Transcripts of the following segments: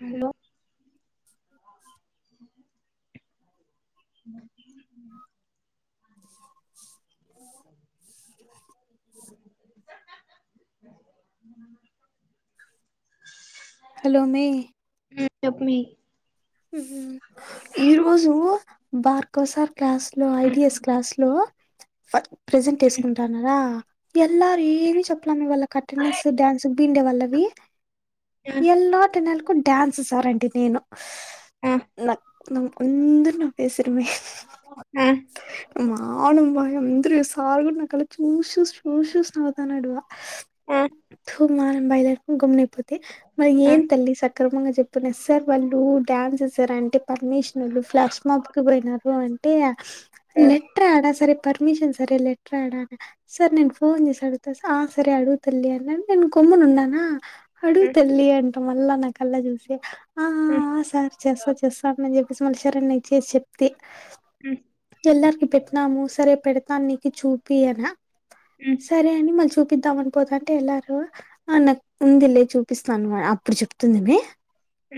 Hello అ hello మీ చెప్ప్ మి ఉహు ఈరోజు బార్ కోసార్ క్లాస్లో ఐడిఎస్ క్లాస్లో ఫ ప్రజెంట్ వేసుకుంటాన్నారా లార్ ఏమి చెప్పలే వాళ్ళకి అటెండెన్స్ డ్యాన్స్ బిండె వాళ్ళవి ఎల్లో టెన్నాలకు డ్యాన్స్ సార్ అన్ నేను నాక్ నాకు అందరూ నా [inaudible] మానుబా అందరు సార్ కూడా నా కలి చూస్ చూస్ చూస్ చూస్ పోతున్నాడు [unintelligible] ఇం గమ్మన అయిపోత మరి ఏం తల్లి సక్రమంగా చెప్పని సార్ వళ్లూ డ్యాన్స్ చేసారంటే పర్మిషన్లు ఫ్లాష్ మప్కి పోయినారు అంటే లెటర్ ఆడా సరే పర్మిషన్ సరే లెటర్ ఆడాన సర్ నేను ఫోన్ చేసి అడుగుతా స ఆ సరే అడుగు తల్లి అన్నాను నేను కొమ్ను ఉన్నానా అడుగు తల్లి అంటమా కల్ నా కళ్ళ జూసి అ సార్ చేస్తా చేస్తా అని చెప్ [unintelligible] చేసి చెప్తే ఎల్లరికి పెట్టినాము సరే పెడతాన్ని చూపియనా సరే అని మల్ చుప్ పిద్దామ అని పోతా అంటే ఎలారు ఆ నాకు ఉంది లే చూపిస్తాను అప్పుడు చెప్తుంది మీ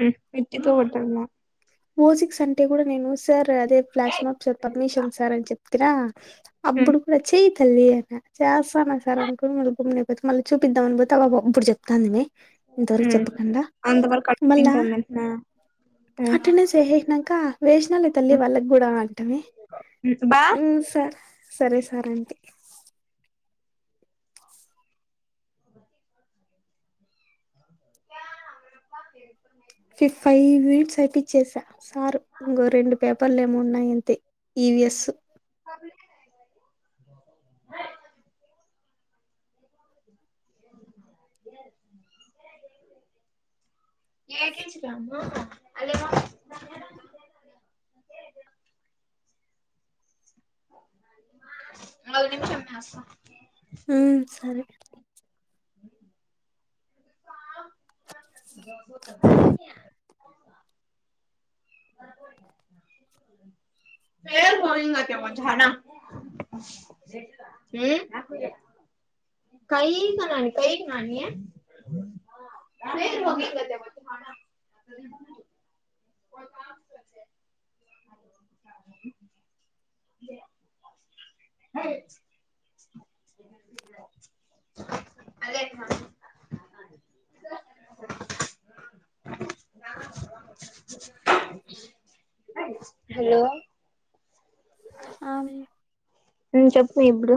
ఉమ్ వెట్టి పోవటము ఓసిక్స్ అంటే కూడా నేను సర్ అదే ఫ్లాష్ మార్ప్ పర్మిషన్ సార్ అ చెప్ప కిరా అబ్బుడు పోచి తెల్లి అనా చేేస్తానా సార్ అంకుల్ [inaudible] పోతే మళ్ళీ చూపిద్దాం అనిపోతే [unintelligible] అప్పుడు చెప్తాంది మే ఇంతవరకు చెప్పకండా అంతవరకు అట్ మళ్ళా తింటాందంటనా అటెండెన్స్ ఏహేస్నాక వేసినాలే తల్లి వాళ్ళకి కూడా అంట మే బా ఉమ్ సార్ సరే సార్ అంటి ఫి ఫైవ్ మినిట్స్ ఐపిచ్చేసా సారు ఇంగో రెండు పేపర్లేమో ఉన్నాయి అంతే ఈ వి ఎస్సు ఏకిచ్చిపాము ఆళ్ళేమో ఒక నిమిషం మే వస్తా హ్మ్ సరే [unintelligible] కైకు నాని కైకు నాని హలో ఆమె చెప్పు ఇప్పుడు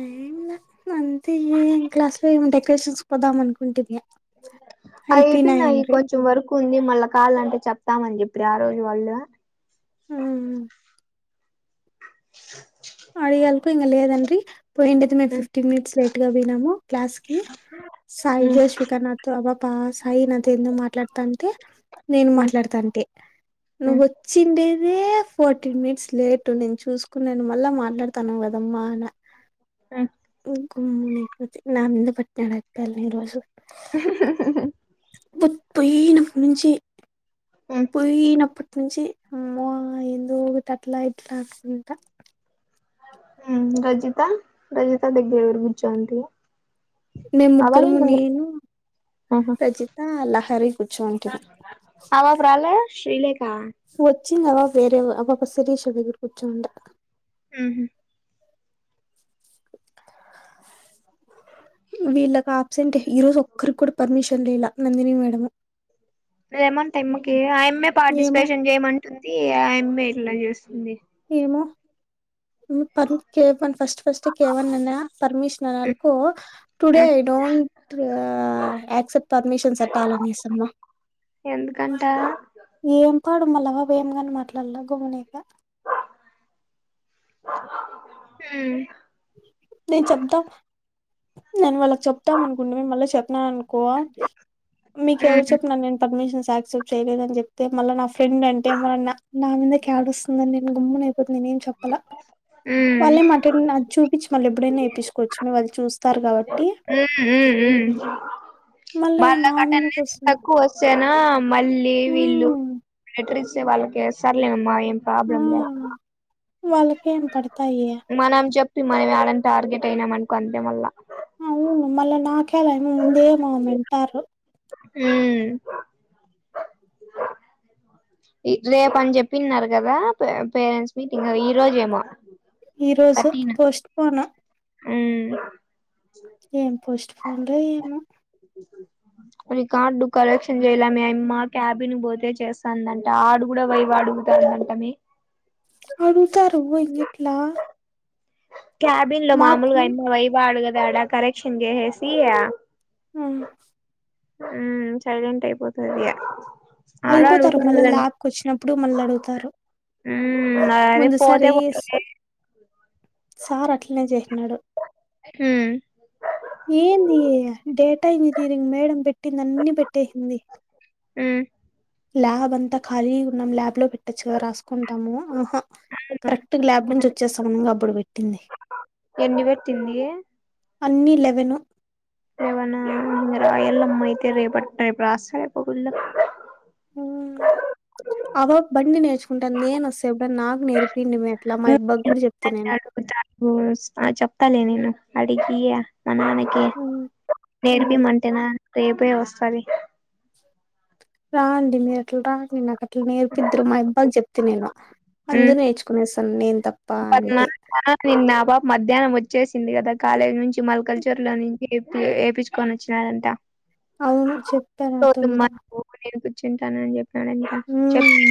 ఏం లా అంతే ఏం క్లాస్ లో ఏమి డెకరేషన్స్ కొదాం అనుకుంటుంది అయిపోనా [unintelligible] కాల్ అంటే చెప్తామని చెప్పి రా ఆ రోజు వాళ్ళు హ్మ్ కు ఇంగ లేదండ్రి పోయింటయితే మేము ఫిఫ్టీన్ మినిట్స్ లేట్ గా పోయినాము క్లాస్ కి సాయి జో శ్రీకర్నాథ్ అబ బ సాయి నాతో ఏందో మాట్లాడుతాంటే నేను మాట్లాడుతాంటే నువ్వు వచ్చిండే అదే ఫోర్టీన్ మినిట్స్ లేటు నేను చూసుకున్నాను మా అలా మాట్లాడుతాన్నవ్ గదమ్మాన హ్మ్ కు [unintelligible] ఈ రోజు [unintelligible] నప్పటి నుంచి పోయినప్పటి నుంచి అమ్మో ఎందో అట్లా ఇట్లా అంటుంది ఇంకా ఉ రజిత రజిత బిడ్డ ఇడ కూర్చొయిండిరి మేము ముగ్గురము నేను రజిత లహరి కూర్చోయింటిమి షీలేక్ సూత్ వచ్చింది ఆ పాప ఎవరొ ఆ పాప శిరీష దగ్గరికి కూర్చొయిండ ఉహు వీళ్ళకు ఆప్సెంటే ఈ రోజు ఒక్కరు కూడా పర్మిషన్ దండిలా నందినీ మేడంము ఏమంట ఆయమ్మకి ఆ ఎయామ్మెఏ ఏమో పార్టిసిపేషన్ చేయమంటుంది ఆ ఎయామ్మె ఇలా చేస్తుంది ఏమో పప [inaudible] ఫస్ట్ ఫస్ట్ కేవన్ అన్నాన పర్మిషన్ అనలేకు టుడే ఆ ఐ డోంట్ ఆక్సెప్ట్ పర్మిషన్ అప్పలిసమ్మా గంటా ఏం పాడు మాళ్ళ ఆ పాప ఏం కాని మాట్లాడలా గుమ్మున అయిపోయా. హ్మ్ నిన్ చప్పదాం మనం వాళ్ళకి చెప్తాం అనుకునే మ మళ్ళ చెప్పన అనుకో మీకు ఎవరు ఉమ్ చెప్పారు నిను పర్మిషన్ యక్సెప్ట్ చేయలేదు అని చెప్తే మళ్ళీ నా ఫ్రెండ్ అంటే మ నా మీద యడవస్తుందని నేను గమ్మ్ నా వెళ్ళాడు నినేం చెప్పాల ఉమ్ ఉమ్ చూపించ్చి మళ్ళా ఎపుడైనా వేపించుకోవచ్చు మళ్ళా వాళ్ళు చూస్తారు కా మ్మ్ హ్మ్ మళ్ళీ నా బళ్లాకట్టలె మీదకి వస్తుంది తక్కువ వస్తాను మళ్ళీ వీళ్ళు హ్మ్ ప్యాక్టరీస్ వాళ్ళకి ఎస్తార్లే అమ్మాయమ్ ప్రాబ్లమ్ ల్య వాళ్ళకి ఏం పడుతు మనం చెప్ మనం వాళ్ళం టార్గెట్ అయినాము అనుకో అంతే మల్ల నాక్యల మె ముందే నన్ను అంటారు మ్మ్ రేపు అని చెప్పన్నారు కదా పేరెంట్స్ మీటింగ్ ఈ రోజేమో ఈరోజు పోస్ట్ పొన్ మ్మ్ ఏం పోస్ట్ ఫన్లో ఏమో మీ కార్డు కరెక్షన్ చేయలే మీ మా క్యాబిన్ పోతే చేస్తాందంట ఆడు కూడా వైవా అడుగుతాందంటమీ అడుగుతారు పోయే ఎట్లా క్యాబిన్ లో మామూలుగా ఆయన వైవా అడగడు దడా కరెక్షన్ చేసేసి ఆ హ్మ్ సైలెంట్ అయిపోతు అదయ అయిపోతారు మళ్ళా ల్యాబ్కి వచ్చినప్పుడు మళ్ళీ అడుగుతారు ఉమ్ అదే ముందు పోతే సారి పోతలే సార్ అట్లనే చేసినాడు ఉమ్ ఏంది డేట్ అట్టా ఇంజనీరింగ్ మేడం పెట్టింది అన్ని పెట్టేసింది హ్మ్ ల్యాబ్ అంతా ఖాళీ గా ఉన్నం ల్యాబ్ లో పెట్ట పెట్టొచ్చు కద రాసుకుంటాము ఆహా కరెక్టుగా ల్యాబ్ నుంచి వచ్చే సామనంగా అప్పుడు పెట్టింది ఎన్ని పెట్టింది అన్నీ లెవెను లెవనా రాయాలమ్మా అయితే రేపు రేపు రాస్తాలే గుళ్ళో హ్మ్. ఉంట నేను వస్తా ఎప్పుడు నాకు నేర్ పిండి మీ అట్లా మా అబ్బాకి కూడా చెప్తే నేను అడిగియ మా నానకి హ్మ్. నేర్పి హ్మ్. మంటేనా రేపే వస్తాది రాండి మీరు అట్లా రాండి నాకు అట్లా నేర్పిద్రు మా అబ్బాకి చెప్తే నేను ఉమ్ అందరు నేర్చుకునే సాను నేను తప్ప అంటే [unintelligible] మధ్యాహ్నం వచ్చేసింది కదా కాలేజ్ నుంచి మాల్ కల్చర్లని ఏపి ఏపిచ్చుకోని వచ్చినారంట అవును చెప్తా నాతో కూడా చింతాను అని చెప్పి అ చెప్ హ్మ్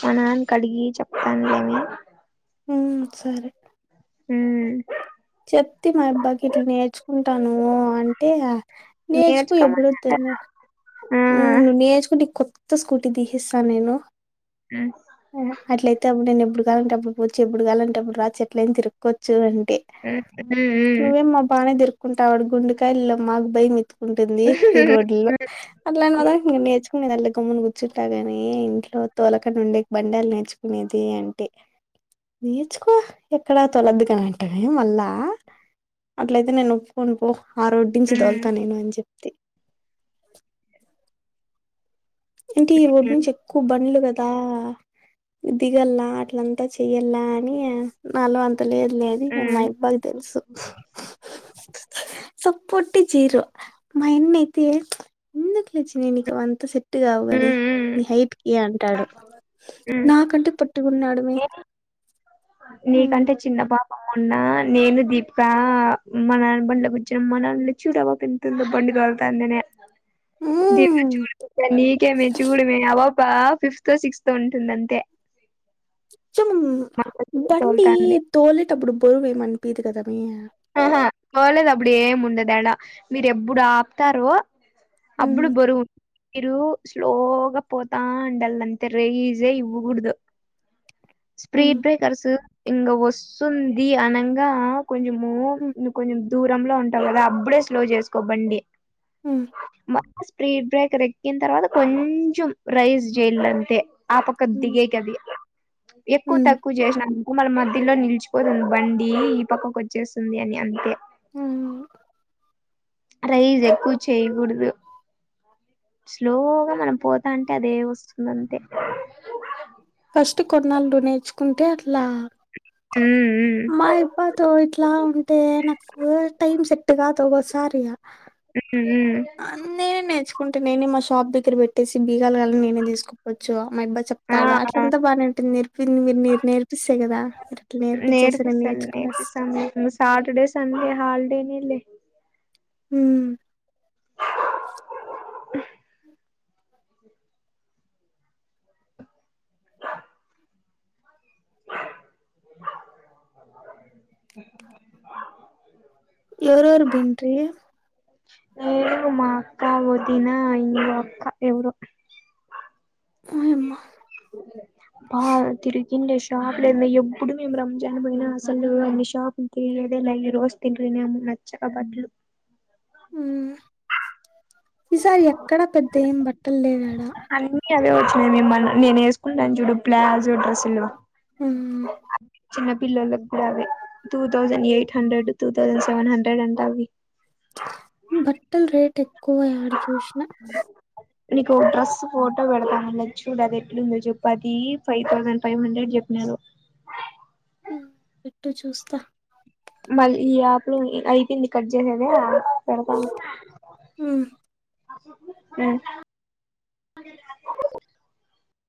మా నాన్న కడిగి చెప్పతాం ఏమి హ్మ్ సరే హ్మ్ చెప్తే మా అబ్బాకి ఇట్ల నేర్చుకుంటాను అంటే నేర్చుకో ఎప్పుడు నేర్చుకోమన్నాడు వద్దన్నా ఆ హ్మ్ నేర్చుకుంటే కొ త్త స్కూటీ తీసిస్తా నేను అట్లయితే [unintelligible] కాగాలంటేప్పుడు పోచ్చు ఎప్పుడు కావాలంటేప్పుడు రా ఎట్ల ఏ తిక్కవచ్చు అే ఉమ్ ఉమ్ స్కూల్లో తాళం దొరికి ఉంటాడ గుండకాయలో మాకు భయం ఉంటుంది ఈ రోడ్లో నేర్చుకోండి నల్ల గమ్మును కూర్చుంటా ని ఇంట్లో తోలకని ఉండే బంలు నేర్చుకునేది అంటే నేర్చుకో ఎక్కడా తొలద్దు కాని అంటే మళ్ళా అట్లయితే నేను ఒప్పుకొని పో ఆ రోడ్ ఉమ్ ఉమ్ నుంచి దదులుతా ఉమ్ నేను అని చెప్పి అంటే ఈ టి ఉమ్ ఉమ్ నుంచి ఎక్కువ బండ్లు కదా అంత దిగల్లా అట్లంతా చెయ్యలా అని నాలు అం అ లేదు లేదు మా అబ్బాకి తెలుసు సప్పట్ చీర మా అన్నయ్య ఇలా అయితే ఎందుకంటే లేజ పనినికి అంత సెట్ ఉమ్ ఇట్టుగావుగాని ఉమ్ ఉమ్ హై ఏ అంటాడు ఉమ్ నాకంటే పొట్టిగాన్నాడు మే అవునా నేను దీపా మా నాన్న బండ్లో కుచ్చా మా నాన్నలో చూడు అ పాపా ఎంత ఉందొ బండి తొల్తావుందో మ్మ్ నీకెమే చూడుమే అ పాప ఫిఫ్త్ తో సిక్స్త్ తో ఉంటుంది అంతే మా బండిలో బండి తోలుతాంది తోలేటప్పుడు బరువు ఏమనిపిదు కదా మియా కలేదు అప్పుడు ఏం ఉండదు అడా మీరు ఎప్పుడు ఆపుతారో అప్పుడు హ్మ్ బరువు మీరు స్లోగా పోతా ఉండలా అంతే రైజె ఇవ్వకూడదు హ్మ్ స్పీడ్ బ్రేకర్స్ ఇంగ వస్తుంది అనంగా కొంచం మో హ్మ్ ఇ కొంచం దూరంలో ఉంటాం కదా అప్పుడే స్లో చేసుకోబండి ఆ స్పీడ్ బ్రేకర్ ఎక్కిన తర్వాత కొంచెం రైస్ చెయ్యలి అంతే ఆ పక్క హ్మ్ దిగే కది ఎక్కువ హ్మ్ తక్కువ చేసాం మన మధ్యలో నిలిచిపోతుంది బండి ఈ పక్కం కొ వచ్చేస్తుంది అని అంతే ఆ రైజ్ ఎక్కువ చేయగూడదు, స్లోగా మనం పోతాంటే అదే వస్తుంది అంతే. ఫస్ట్ కొన్నాళ్ డూడ్ నేర్చుకుంటే అట్లా మ్మ్ మా ఇబ్బతో ఇట్ల్ అట్లా ఉంటే నాకు టైం సెట్టు కాదు ఒగోసారి ఇగ మ్మ్ అన్ నేనే నేర్చుకుంటే నేనే మస్ టాప్ దగ్గర బెట్టేసి బి గాల్ గాలని నేనేం తీసుకపోచ్చు మా యబ్బ ఆ చెప్తాడు అట్ల ఆ, అంతా బాగానే ఉంటుంది. నేర్పి నువు నెర్ నేర్పిస్సే గదా మీరట్లా నేర్పించేస్ నేను నేర్పిస్తాను నేర్చుకునే స్సా. హాల్ డే నె లే హ్మ్ ఎవరెవరు బెంట్రి నేను మా అక్క వొదిన ఇంగో అక్క ఎవరో ఓయమ్మ బా తిరి ఇన్లే షాప్ లే ఎంది ఎబ్బుడు మేము రంజాన్ బోయినా అసలు అన్ని షాప్ తియేదే లె, ఈ రోజు తిన్రి మేము నచ్చక బడ్లు హ్మ్ ఈసారి ఎక్కడ పెద్ద ఏం బట్ పల్లే దా అవు అవే వచ్చినయి మే మళ్ల నేను వేసుకుంటాను జూడు ప్లాజ్ డ్రస్సులు ఆ చిన్న పిల్లలక్గూడ అవే two thousand eight hundred, two thousand seven hundred అంట అవి. బట్టల్ రేటె క్కువ యాడు జూసిన నీకు ఓ డ్రెస్ ఫోటో వెడతాను నచ్చింద అది ఎట్లుందో జెప్పు, అది ఫైవ్ థౌజండ్ ఫైవ్ హండ్రెడ్ జెప్పినారు. హ్మ్ పెట్టు చూస్తా మళ్లీ ఈ యాప్‌లో అయిపోయింది కట్ జేసేదా పడుకున్ ఉమ్. ఆ